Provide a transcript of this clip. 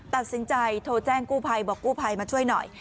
ตัดสินใจโทรแจ้งกู้ภัยบอกกู้ภัยมาช่วยหน่อย